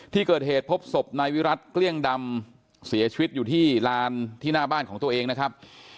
ที่เกิดเหตุพบศพนายวิรัติเกลี้ยงดำเสียชีวิตอยู่ที่ลานที่หน้าบ้านของตัวเองนะครับ